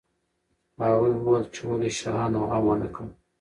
هغوی وویل چې ولې شاهانو غم ونه کړ.